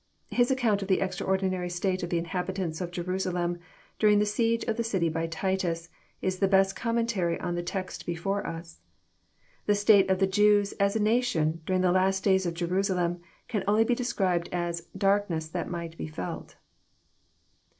His account of the extraordinary state of the Inhabitants of Jerusalem, during the siege of the city by Titus, is the best commentary on the text before us. The state of the Jews, as a nation, during the last days of Jernsalem, can only be described as *' darkness that might be felt."